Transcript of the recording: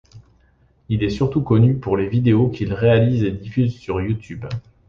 Il est surtout connu pour les vidéos qu'il réalise et diffuse sur YouTube.